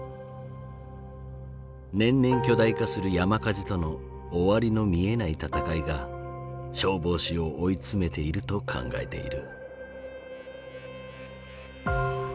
年々巨大化する山火事との終わりの見えない闘いが消防士を追い詰めていると考えている。